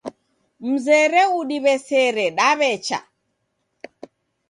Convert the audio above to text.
Mzere udiw'esere, daw'echa